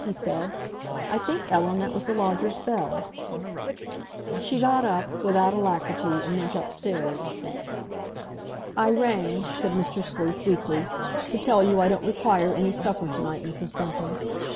he said. "I think, Ellen, that was the lodger's bell." She got up, without alacrity, and went upstairs. "I rang," said Mr. Sleuth weakly, "to tell you I don't require any supper to night, Mrs. Bunting.